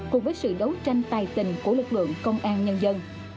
cùng với sự đấu tranh tài tình của lực lượng công an nhân dân